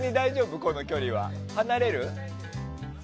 この距離は。離れる？